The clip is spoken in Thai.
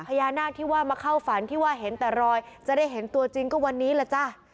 พญานาคที่ว่ามาเข้าฝันที่ว่าเห็นแต่รอยจะได้เห็นตัวจริงก็วันนี้แหละจ้ะ